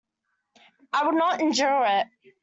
I would not endure it.